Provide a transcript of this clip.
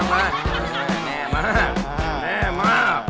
มาแขนวงมา